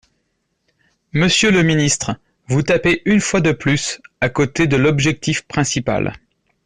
Monsieur le ministre, vous tapez une fois de plus à côté de l’objectif principal.